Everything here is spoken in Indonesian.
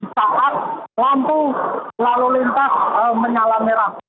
saat lampu lalu lintas menyala merah